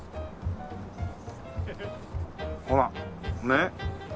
ほらねっ。